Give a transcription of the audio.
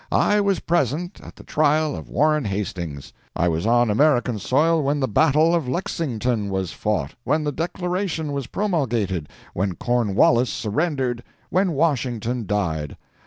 I was present at the trial of Warren Hastings. I was on American soil when the battle of Lexington was fought when the declaration was promulgated when Cornwallis surrendered When Washington died.